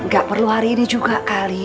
gak perlu hari ini juga kali